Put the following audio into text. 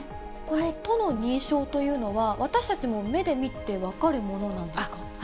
都の認証というのは、私たちも目で見て分かるものなんですか。